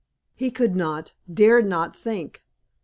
He could not, dared not think.